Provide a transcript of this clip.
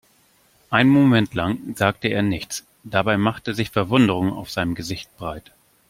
Einen Moment lang sagte er nichts, dabei machte sich Verwunderung auf seinem Gesicht breit.